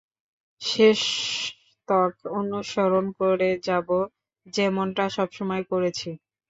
শেষতক অনুসরণ করে যাব, যেমনটা সবসময় করেছি।